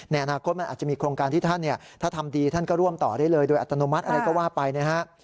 ในอนาคตมันอาจจะมีโครงการที่ท่านถ้าทำดีท่านก็ร่วมต่อได้เลยโดยอัตโนมัติอะไรก็ว่าไปนะฮะ